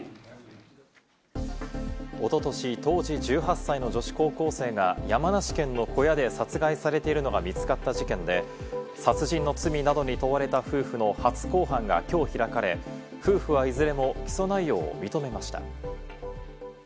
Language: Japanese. おととし、当時１８歳の女子高校生が山梨県の小屋で殺害されているのが見つかった事件で、殺人の罪などに問われた夫婦の初公判がきょう開かれ、夫婦はいずれも起訴内容を認めました。